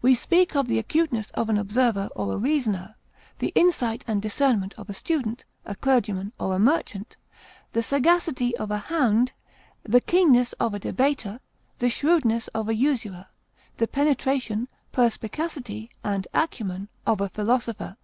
We speak of the acuteness of an observer or a reasoner, the insight and discernment of a student, a clergyman, or a merchant, the sagacity of a hound, the keenness of a debater, the shrewdness of a usurer, the penetration, perspicacity, and acumen of a philosopher.